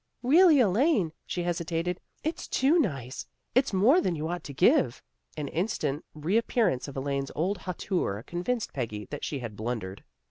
" Really, Elaine," she hesitated, " it's too nice. It's more than you ought to give." An instant reappearance of Elaine's old hauteur convinced Peggy that she had blun dered.